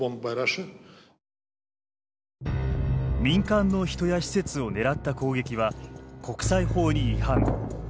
民間の人や施設を狙った攻撃は国際法に違反。